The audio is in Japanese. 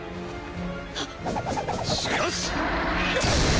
しかし！